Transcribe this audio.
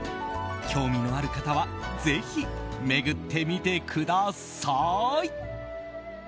興味のある方はぜひ巡ってみてください。